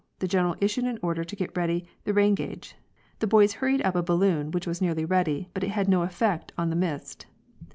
The General issued an order to get ready the rain gauge. The boys hurried up a balloon, which was nearly ready, but it had no effect on that mist.